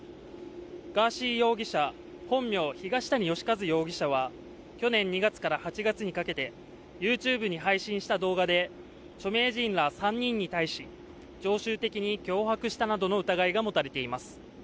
ガーシー容疑者、本名・東谷義和容疑者は去年２月から８月にかけてＹｏｕＴｕｂｅに配信した動画で著名人ら３人に対し常習的に脅迫した疑いなどが持たれています。